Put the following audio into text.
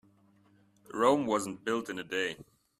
Rome wasn't built in a day.